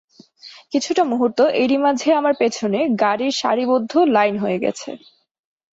কিছুটা মুহূর্ত, এরই মাঝে আমার পেছনে গাড়ির সারিবদ্ধ লাইন হয়ে গেছে।